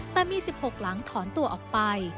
แต่มี๑๖หลังถอนตัวออกไป